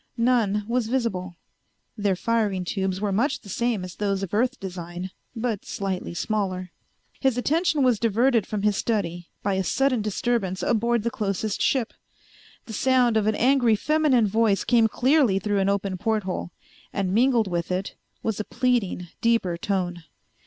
None was visible. Their firing tubes were much the same as those of Earth design, but slightly smaller. His attention was diverted from his study by a sudden disturbance aboard the closest ship. The sound of an angry feminine voice came clearly through an open porthole, and mingled with it was a pleading, deeper tone.